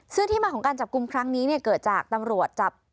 ซึ่งที่มาของการจับกลุ่มครั้งนี้เนี่ยเกิดจากตำรวจจับ